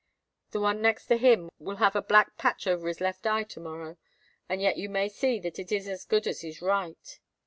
The one next to him will have a black patch over his left eye to morrow; and yet you may see that it is as good as his right.